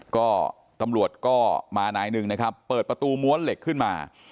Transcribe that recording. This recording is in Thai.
ก็ตำรวจก็มานายหนึ่งนะครับเปิดประตูม้วนเหล็กขึ้นมา